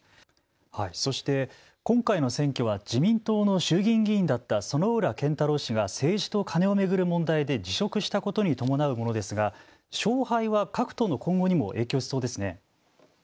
そして今回の選挙は自民党の衆議院議員だった薗浦健太郎氏が政治とカネを巡る問題で辞職したことに伴うものですが勝敗は各党の今後にも影響しそうですね。